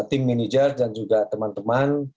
tim manajer dan juga teman teman